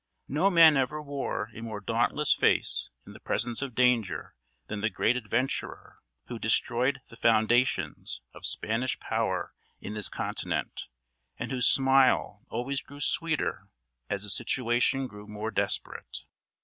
No man ever wore a more dauntless face in the presence of danger than the great adventurer who destroyed the foundations of Spanish power in this continent, and whose smile always grew sweeter as the situation grew more desperate.